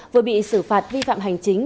vừa bị xử phạt vi phạm hành chính